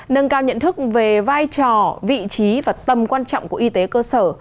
nâng cao nhận thức về vai trò vị trí và tầm quan trọng của y tế cơ sở